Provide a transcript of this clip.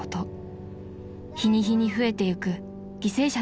［日に日に増えてゆく犠牲者のこと］